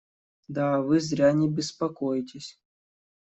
Да вы зря не беспокойтесь.